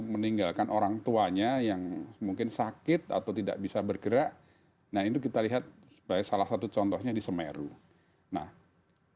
bagaimana menguatkan peran peran perempuan yang mungkin sakit atau tidak bisa bergerak nah ini kita lihat sebagai salah satu contohnya di semeru nah kalau sudah demikian ini kita perlu mencari strategi